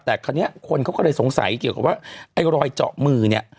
แต่คราวนี้คนเขาก็เลยสงสัยเกี่ยวกับว่าไอ้รอยเจาะมือเนี่ย